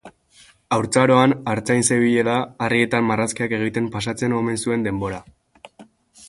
Haurtzaroan, artzain zebilela, harrietan marrazkiak egiten pasatzen omen zuen denbora.